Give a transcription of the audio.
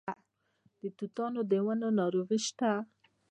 د توتانو د ونو ناروغي شته؟